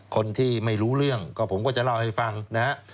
คนที่ไม่รู้เรื่องก็ผมก็จะเล่าให้ฟังนะฮะ